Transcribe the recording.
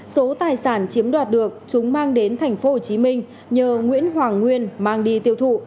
số tài sản chiếm đoạt được chúng mang đến thành phố hồ chí minh nhờ nguyễn hoàng nguyên mang đi tiêu thụ